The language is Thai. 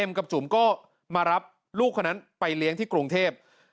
กับจุ๋มก็มารับลูกคนนั้นไปเลี้ยงที่กรุงเทพ